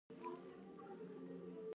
زوی یې په اوبو کې ډوب شو.